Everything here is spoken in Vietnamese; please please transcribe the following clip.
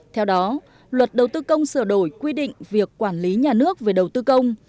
theo đó luật đầu tư công sửa đổi quy định việc quản lý nhà nước về đầu tư công